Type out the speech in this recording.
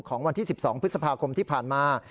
วันที่๑๒พฤษภาคมที่ผ่านมา